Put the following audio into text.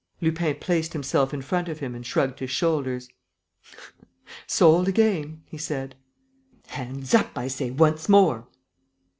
Lupin placed himself in front of him and shrugged his shoulders: "Sold again!" he said. "Hands up, I say, once more!"